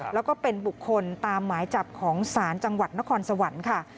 แล้วก็เป็นบุคคลตามหมายจับของศาลจังหวัดนครสวรรค์ค่ะ